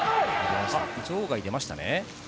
場外、出ましたね。